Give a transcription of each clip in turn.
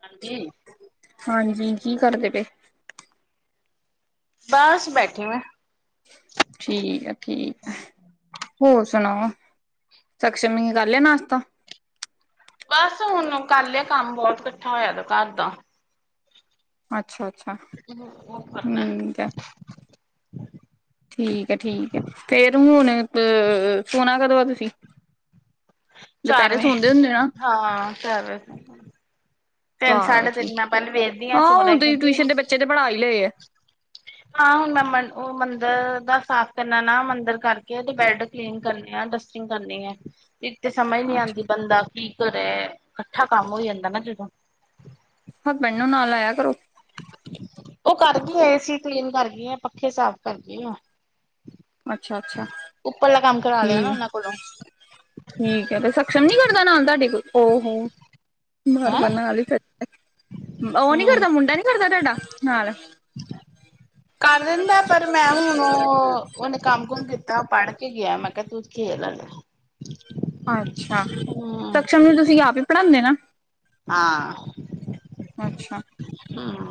ਹਾਂਜੀ ਹਾਂਜੀ ਕੀ ਕਰਦੇ ਪਏ ਬਸ ਬੈਠੀ ਮੈਂ ਠੀਕ ਆ ਠੀਕ ਆ ਹੋਰ ਸੁਣਾਓ ਸਕਸ਼ਮ ਨੀ ਕਰ ਲਿਆ ਨਾਸ਼ਤਾ ਬਸ ਹੁਣ ਕਰ ਲਿਆ ਕੰਮ ਬਹੁਤ ਇਕੱਠਾ ਹੋਇਆ ਦਾ ਘਰ ਦਾ ਅੱਛ ਅੱਛਾ ਅੱਛਾ ਉਹ ਕਰਨਾ। ਠੀਕ ਐ ਹੁਣ ਅ ਸੋਣਾ ਕਦੋਂ ਆ ਤੁਸੀਂ ਚਾਰ ਦੁਪਹਿਰੇ ਸੌਦੇ ਹੁੰਦੇ ਵਜੇ ਨਾ ਹਾਂ ਚਾਰ ਵਜੇ ਤਿੰਨ ਚਾਰ ਸਾਢੇ ਵਜੇ ਤਿੰਨ ਮੈਂ ਪਹਿਲੇ ਵੇਖਦੀ ਹਾਂ ਸੋਹਣਾ ਹੁਣ ਤੇਸੀ ਕਿਉਂਕਿ ਟਿਊਸ਼ਨ ਦੇ ਬੱਚੇ ਤੇ ਪੜ੍ਹਾ ਹੀ ਲਏ ਆ ਹਾਂ ਹੁਣ ਮੈਂ ਮੰ ਉਹ ਮੰਦਿਰ ਦਾ ਸਾਫ਼ ਕਰਨਾ ਨਾ ਮੰਦਿਰ ਕਰਕੇ ਉਹਦੇ ਬੈਡ ਕਲੀਨ ਕਰਨੇ ਆ ਡਸਟਿੰਗ ਕਰਨੀ ਹੈ ਇਕ ਤੇ ਸਮਝ ਨਹੀਂ ਅੱਛਾ ਆਂਦੀ ਬੰਦਾ ਕੀ ਕਰੇ ਇਕੱਠਾ ਕੰਮ ਹੋ ਜਾਂਦਾ ਨਾ ਜਦੋਂ ਹਸਬੈਂਡ ਨੂੰ ਨਾਲ ਲਾਇਆ ਕਰੋ। ਉਹ ਕਰ ਗਈਆਂ ਏਸੀ ਕਲੀਨ ਕਰ ਗਈਆ, ਪੱਖੇ ਸਾਫ਼ ਕਰ ਗਈਆ। ਅੱਛਾ-ਅੱਛਾ ਕਰਾ ਲਿਆ ਨਾ ਠੀਕ ਹੈ ਉਹਨਾਂ ਕੋਲੋਂ ਠੀਕ ਹੈ, ਤੇ ਸਕਸ਼ਮ ਨੀ ਕਰਦਾ ਨਾਲ ਤੁਹਾਡੇ ਕੁਝ। ਹੋ ਹੂੰ ਬਾਰ ਹੈਂ -ਬਾਰ ਨਾਲ ਹੀ ਉਹ ਨੀ ਹਮ ਕਰਦਾ ਮੁੰਡਾ ਨੀ ਕਰਦਾ ਤੁਹਾਡਾ ਨਾਲ ਕਰ ਦਿੰਦਾ ਪਰ ਮੈਂ ਹੁਣ ਉਹ ਉਹਨੇ ਕੰਮ ਕੁਮ ਕੀਤਾ ਪੜ੍ਹ ਕੇ ਗਿਆ ਮੈਂ ਕਿਹਾ ਤੂੰ ਖੇਲ ਲੈ। ਅੱਛਾ, ਸਕਸ਼ਮ ਨੂੰ ਤੁਸੀਂ ਆਪ ਹੀ ਪੜ੍ਹਾਂਦੇ ਨਾ। ਹਾਂ ਅੱਛਾ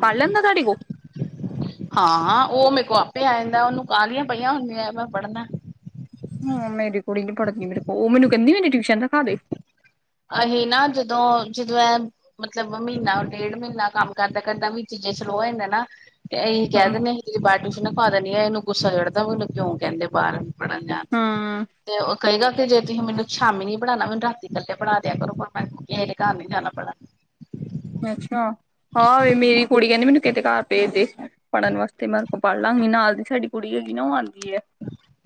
ਪੜ ਲੈਂਦਾ ਤੁਹਾਡੇ ਕੋਲ ਹਾਂ ਉਹ ਮੇਰੇ ਕੋ ਆਪੇ ਆ ਜਾਂਦਾ, ਉਹਨੂੰ ਕਾਹਲੀਆਂ ਪਈਆਂ ਹੁੰਦੀਆਂ ਮੈਂ ਪੜ੍ਹਨਾ ਹਾਂ ਮੇਰੀ ਕੁੜੀ ਨਹੀ ਪੜਦੀ ਮੇਰੇ ਕੋਲ ਉਹ ਮੈਨੂੰ ਕਹਿੰਦੀ ਮੇਰੀ ਟਿਊਸ਼ਨ ਤੇ ਰਖਾ ਦੇ। ਅਸੀਂ ਨਾ ਜਦੋਂ- ਜਦੋਂ ਇਹ ਮਤਲਬ ਮਹੀਨਾ ਡੇਢ ਮਹੀਨਾ ਕੰਮ ਕਰਦਾ -ਕਰਦਾ ਵਿਚ ਜੇ ਸਲੋਅ ਹੋ ਜਾਂਦਾ ਨਾ ਇਹੀ ਕਹਿ ਹੂੰ ਦਿਨੇ ਆ ਕਿਸੇ ਪਾਰਟੀ ਚ ਨਾ ਪਾਤਾ ਨੀ ਇਹਨੂੰ ਗੁੱਸਾ ਚੜਦਾ ਵੀ ਉਹਨੂੰ ਕਿਉਂ ਕਹਿੰਦੇ ਬਾਹਰ ਪੜਨ ਜਾਣ ਹੂੰ ਤੇ ਉਹ ਕਏਗਾ ਤੇ ਜੇ ਤੁਸੀ ਮੈਨੂੰ ਸ਼ਾਮੀ ਨੀ ਪੜਾਣਾ ਮੈਨੂੰ ਰਾਤੀ ਇਕੱਲੇ ਪੜਾ ਦਿਆ ਕਰੋ, ਪਰ ਮੈਂ ਕਿਸੇ ਦੇ ਘਰ ਨੀ ਜਾਣਾ ਪੜਣ ਆਹ ਵੇਖ ਮੇਰੀ ਕੁੜੀ ਕਹਿੰਦੇ ਮੈਨੂੰ ਕਿਸੇ ਘਰ ਭੇਜਦੇ ਪੜ੍ਹਨ ਵਾਸਤੇ ਮੈਂ ਆਪੀ ਪੜ੍ਹ ਲਾਂਗੀ ਨੀ ਨਾਲ ਦੀ ਸਾਡੀ ਕੁੜੀ ਹੈਗੀ ਨਾ ਉਹ ਆਂ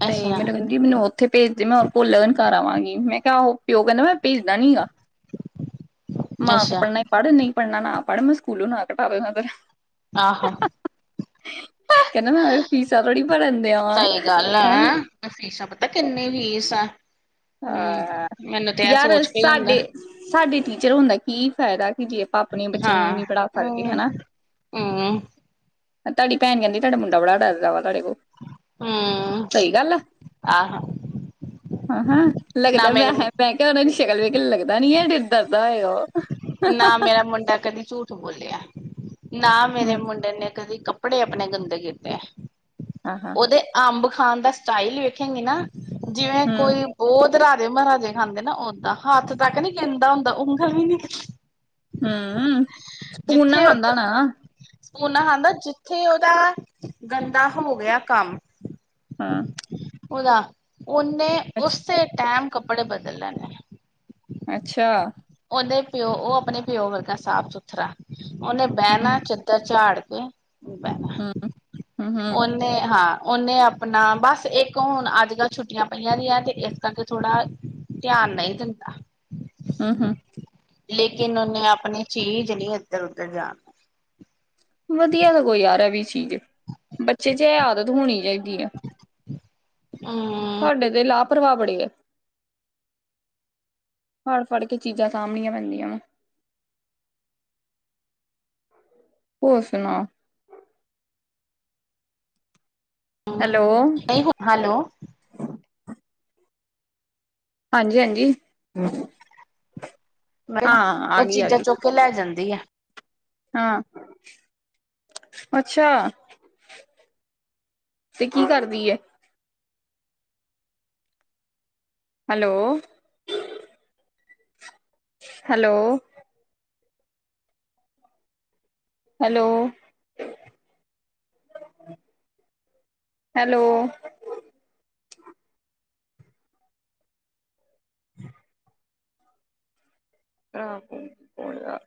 ਤੇ ਅੱਛਾ ਮੈਨੂੰ ਕਹਿੰਦੀ ਮੈਨੂੰ ਉੱਥੇ ਭੇਜਦੇ ਮੈਂ ਉਹ ਭੁ ਲਰਨ ਕਰ ਆਵਾਂਗੀ, ਮੈਂ ਕਿਹਾ ਉਹ ਪਿਓ ਕਹਿੰਦਾ ਮੈਂ ਭੇਜਦਾ ਨੀ ਹੈਗਾ। ਮਾਂ ਕੋਲ ਅੱਛਾ ਪੜ੍ਹਨਾ ਈ ਨਹੀਂ ਪੜ੍ਹਨਾ ਨਾ ਪੜ੍ਹ ਮੈਂ ਸਕੂਲੋਂ ਨਾਂ ਕਟਾ ਦੇਨਾ ਤੇਰਾ ਆਹੋ ਫੇਰ ਕਹਿੰਦਾ ਮੈਂ ਫੀਸਾਂ ਥੋੜੀ ਭਰਨ ਦਿਆ ਵਾਂ ਸਹੀ ਗੱਲ ਆ ਹੈਂ ਫੀਸਾਂ ਪਤਾ ਕਿੰਨੀ ਫੀਸ ਐ। ਹਾਂ ਯਾਰ ਕੇ ਹੀ ਹੁੰਦਾ ਸਾਡੇ ਸਾਡੀ ਟੀਚਰ ਹੋਣ ਦਾ ਕੀ ਫਾਇਦਾ ਜੇ ਆਪਾਂ ਆਪਣੇ ਬੱਚੇ ਨੂੰ ਹਾਂ ਨੀ ਪੜ੍ਹਾ ਸਕਦੇ ਹਮ ਹਨਾ। ਹਮ ਤੁਹਾਡੀ ਭੈਣ ਕਹਿੰਦੀ ਤੁਹਾਡਾ ਮੁੰਡਾ ਬੜਾ ਡਰਦਾ ਵਾ। ਤੁਹਾਡੇ ਕੋਲੋਂ ਸਹੀ ਗੱਲ ਆ। ਆਹ! ਹ- ਹਾਂ ਲੱਗਦਾ ਮੈਂ ਕਿਹਾ [unintelligible] ਸ਼ਕਲ ਵੇਖ ਲੈ ਲੱਗਦਾ ਨਹੀਂ ਡਰਦਾ ਹੋ ਔ ਨਾ, ਮੇਰਾ ਮੁੰਡਾ ਕਦੀ ਝੂਠ ਬੋਲਿਆ। ਨਾ, ਮੇਰੇ ਮੁੰਡੇ ਨੇ ਕਦੀ ਕੱਪੜੇ ਆਪਣੇ ਗੰਦੇ ਕੀਤੇ ਏ। ਹਾਂ ਹਾਂ ਉਹਦੇ ਅੰਬ ਖਾਣ ਦਾ ਸਟਾਈਲ ਵੀ ਵੇਖੇਗੀ ਨਾ ਜਿਵੇਂ ਹੂੰ ਕੋਈ ਬਹੁਤ ਰਾਜੇ -ਮਹਾਰਾਜੇ ਖਾਂਦੇ ਨਾ ਓਦਾਂ, ਹੱਥ ਤੱਕ ਨੀ ਗੰਦਾ ਹੁੰਦਾ। ਉਂਗਲ ਵੀ ਨੀ ਹੂ ਹੂ ਸਪੂਨ ਨਾਲ ਖਾਂਦਾ ਹੋਣਾ। ਸਪੂਨ ਨਾਲ ਖਾਂਦਾ। ਜਿੱਥੇ, ਉਹਦਾ ਗੰਦਾ ਹੋ ਗਿਆ ਕੰਮ ਹਾਂ, ਉਹਦਾ ਉਹਨੇ ਅੱਛਾ ਉਸੇ ਟਾਈਮ ਕੱਪੜੇ ਬਦਲ ਲੈਣੇ। ਅੱਛਾ। ਉਹਦੇ ਪਿਓ, ਔ ਆਪਣੇ ਪਿਓ ਵਰਗਾ ਸਾਫ- ਸੁਥਰਾ ਔ ਨੇ ਹੂੰ ਬਹਿਣਾ ਚੱਦਰ ਝਾੜ ਕੇ [unintelligible] ਬਹਿਣਾ ਹੂੰ ਏ, ਹੂੰ ਔ ਹੂੰ ਨੇ, ਹਾਂ। ਉਹਨੇ ਆਪਣਾ ਬਸ ਇੱਕ ਹੁਣ ਅੱਜ ਕੱਲ੍ਹ ਛੁੱਟੀਆਂ ਪਈਆਂ ਦੀਆਂ, ਤੇ ਇਸ ਕਰਕੇ ਥੋੜ੍ਹਾ ਧਿਆਨ ਨਹੀਂ ਦਿੰਦਾ। ਹੂੰ ਲੇਕਿਨ ਉਹਨੇ ਆਪਣੀ ਚੀਜ਼ ਨਹੀਂ ਇੱਧਰ -ਉਧਰ ਜਾਣਾ ਵਧੀਆ ਤਾਂ ਕੋਈ ਯਾਰ ਹੈ ਵੀ ਚੀਜ਼, ਬੱਚੇ ਚ ਇਹ ਆਦਤ ਹੋਣੀ ਚਾਹੀ ਦੀ ਐ । ਹ [inaudible] ਸਾਡੇ ਦੇ ਲਾਭ ਪ੍ਰਵਾ ਬੜੇ ਆ। ਫੜ -ਫੜ ਕੇ ਚੀਜ਼ਾਂ ਸਾਂਭਣੀਆਂ ਪੈਂਦੀਆਂ ਵਾ ਹੋਰ ਸੁਣਾ ਹੈਲੋ ਹੈਲੋ, ਹਾਂਜੀ- ਹਾਂਜੀ। ਮੈਂ ਹਾਂ ਕੇਹਾ, ਆ ਔ ਗਈ ਆ ਚੀਜ਼ਾਂ ਗਈ ਚੁੱਕ ਲੈ ਜਾਂਦੇ ਦੀਆਂ ਹਾਂ, ਅੱਛਾ ਤੇ ਕੀ ਕਰਦੀ ਐ? ਹੈਲੋ। Hello, hello, hello. [inaudible]